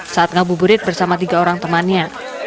saat ngabuburit bersama tiga orang temannya